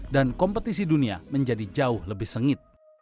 dan kompetisi dunia menjadi jauh lebih sengit